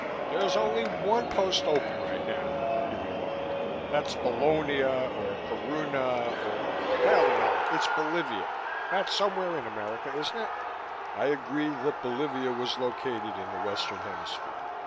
"There's only one post open right now," he remarked. "That's Bolonia or Peruna or hell, no, it's Bolivia. That's somewhere in America, ain't it?" I agreed that Bolivia was located in the Western Hemisphere.